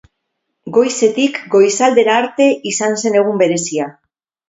Goizetik goizaldera arte izan zen egun berezia.